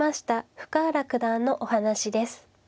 深浦九段のお話です。